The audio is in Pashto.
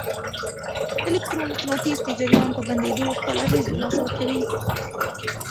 الکترو مقناطیس د جریان په بندېدو خپل اغېز له لاسه ورکوي.